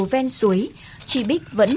ven suối chị bích vẫn